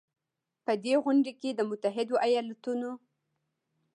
په دې غونډې کې د متحدو ایالتونو